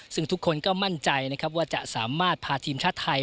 ซึ่งทุกคนก็มั่นใจนะครับว่าจะสามารถพาทีมชาติไทย